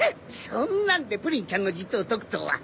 そんなんでプリンちゃんの術を解くとは！